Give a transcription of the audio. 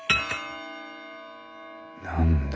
何だ？